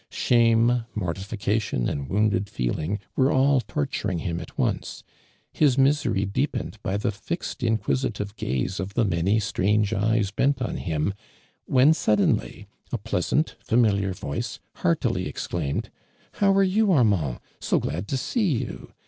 Shame, mortification and wounded feeling were all torturing him at once : his misery deepened by the fixed, inquisitive gaze of the many strange eyes bent on him, when, suddenly a pleasant, familiar voice, heartily exclaim ed : "How are you, Armand? So glad to see you